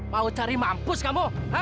mau cari mampus kamu